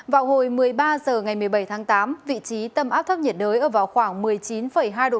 vào hồi một mươi ba h ngày một mươi bảy tháng tám vị trí tâm áp thấp nhiệt đới ở vào khoảng một mươi chín hai độ